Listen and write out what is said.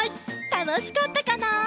たのしかったかな？